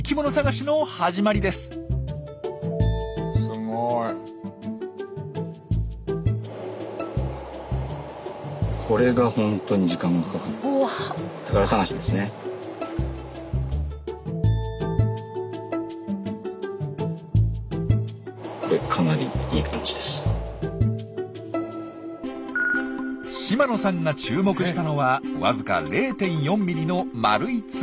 すごい。島野さんが注目したのはわずか０．４ｍｍの丸い粒。